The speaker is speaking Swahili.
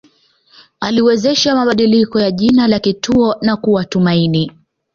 Aliwezesha mabadiliko ya jina la kituo na kuwa Tumaini